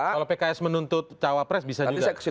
kalau pks menuntut cawapres bisa juga